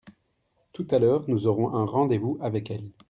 tout à l'heure nous aurons un rendez-vous avec elles.